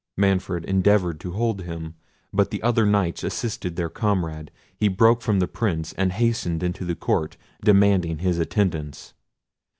Manfred endeavoured to hold him, but the other Knights assisting their comrade, he broke from the Prince, and hastened into the court, demanding his attendants.